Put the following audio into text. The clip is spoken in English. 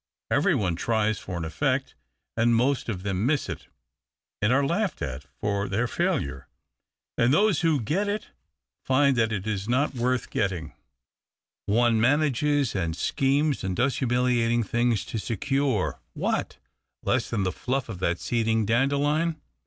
Every one tries for an efiect, and most of them miss it, and are laughed at for their failure, and those who get it find that it is not worth getting. 228 THE OCTAVE OF CLAUDIUS. One manages and schemes and does humiliating things to secure — what ?— less than the fluff on that seeding dandelion."